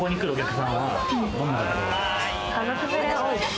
家族連れ多いです。